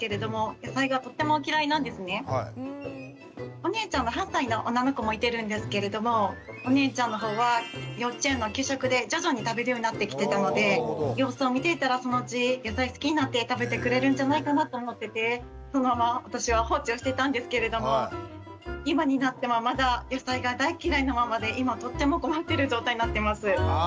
お姉ちゃんの８歳の女の子もいてるんですけれどもお姉ちゃんのほうは幼稚園の給食で徐々に食べるようになってきてたので様子を見ていたらそのうち野菜好きになって食べてくれるんじゃないかなと思っててそのまま私は放置をしてたんですけれども今になってもまだ野菜が大嫌いなままで今とても困ってる状態になってます。